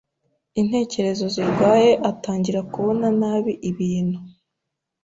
intekerezo zirwaye atangira kubona nabi ibintu